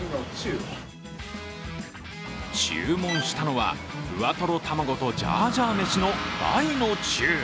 注文したのはふわとろ卵とジャージャー飯の大の中。